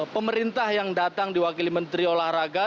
pemerintah yang datang diwakili menteri olahraga